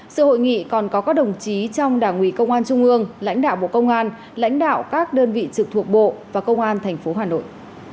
sự hội nghị còn có các đồng chí trong đảng ủy công an trung ương lãnh đạo bộ công an lãnh đạo các đơn vị trực thuộc bộ và công an tp hà nội